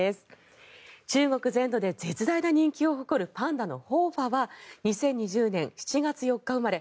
中国全土で絶大な人気を誇るパンダの和花は２０２０年７月４日生まれ